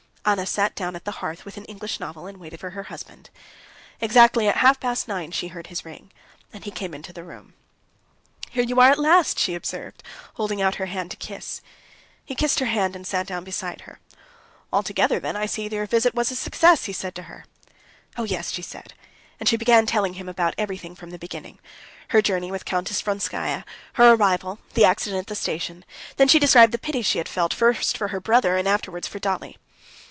Anna sat down at the hearth with an English novel and waited for her husband. Exactly at half past nine she heard his ring, and he came into the room. "Here you are at last!" she observed, holding out her hand to him. He kissed her hand and sat down beside her. "Altogether then, I see your visit was a success," he said to her. "Oh, yes," she said, and she began telling him about everything from the beginning: her journey with Countess Vronskaya, her arrival, the accident at the station. Then she described the pity she had felt, first for her brother, and afterwards for Dolly.